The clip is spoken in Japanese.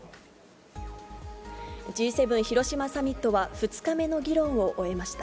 Ｇ７広島サミットは２日目の議論を終えました。